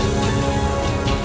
aku mau ke rumah